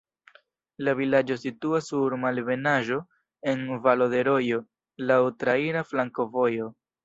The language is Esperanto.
La vilaĝo situas sur malebenaĵo, en valo de rojo, laŭ traira flankovojo.